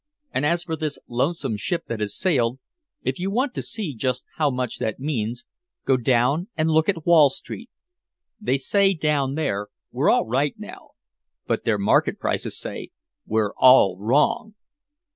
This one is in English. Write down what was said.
And as for this lonesome ship that has sailed, if you want to see just how much that means, go down and look at Wall Street. They say down there, 'We're all right now.' But their market prices say, 'We're all wrong!'"